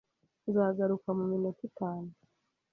Nzagaruka mu minota itanu.